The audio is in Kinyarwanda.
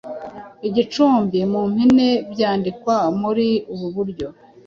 igicumbi . Mu mpine byandikwa muri ubu buryo: